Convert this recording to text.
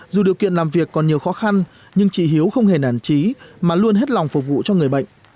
dù điều kiện làm việc còn nhiều khó khăn nhưng chị hiếu không hề nản trí mà luôn hết lòng phục vụ cho người bệnh